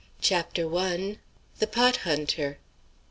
CHAPTER I. THE POT HUNTER.